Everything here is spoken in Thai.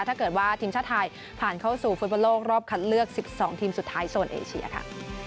ถ้าเกิดว่าทีมชาติไทยผ่านเข้าสู่ฟุตบอลโลกรอบคัดเลือก๑๒ทีมสุดท้ายโซนเอเชียค่ะ